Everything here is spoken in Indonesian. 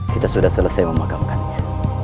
kita sudah selesai memakamkannya